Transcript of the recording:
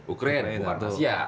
ukraine bukan asia